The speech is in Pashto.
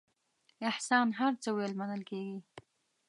احسان هر څه ویل منل کېږي.